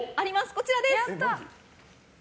こちらです。